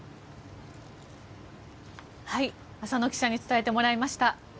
浅野記者に伝えてもらいました。